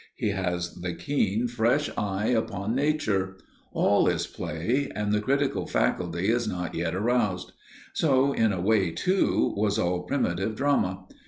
He has the keen, fresh eye upon nature; all is play, and the critical faculty is not yet aroused. So in a way, too, was all primitive drama.